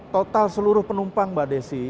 total seluruh penumpang mbak desi